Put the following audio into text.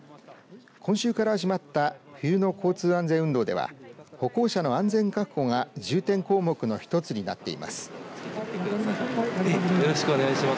今週から始まった冬の交通安全運動では歩行者の安全確保が重点項目の１つになっています。